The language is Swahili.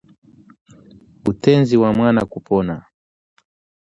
Utenzi wa Mwana Kupona